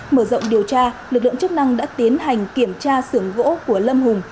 mở rộng điều tra lực lượng chức năng đã tiến hành kiểm tra sưởng gỗ của lâm hùng